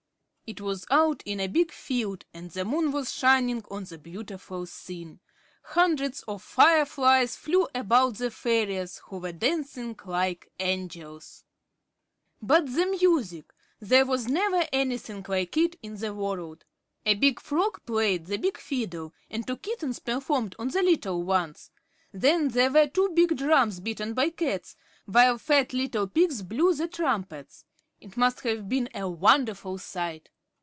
It was out in a big field, and the moon was shining on the beautiful scene. Hundreds of fireflies flew about the fairies, who were dancing like angels. But the music! There was never anything like it in the world. A big frog played the big fiddle, and two kittens performed on the little ones. Then there were two big drums beaten by cats, while fat little pigs blew the trumpets. It must have been a wonderful sight.